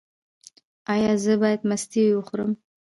ایا زه باید مستې وخورم؟